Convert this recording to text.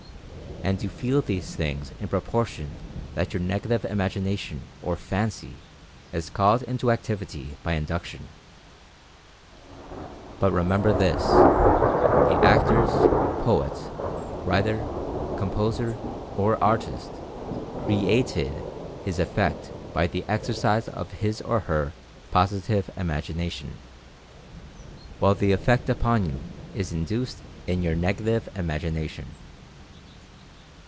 And you feel these things in propor tion that your Negative Imagination or Fancy is called into activity by induction. But remember this — the actors, poet, writer, composer, or artist created his ef fect by the exercise of his or her Positive Imagination ; while the effect upon you is induced in your Negative 136 Mental Fascination Imagination.